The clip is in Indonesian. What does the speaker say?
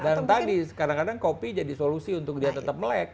dan tadi kadang kadang kopi jadi solusi untuk dia tetap melek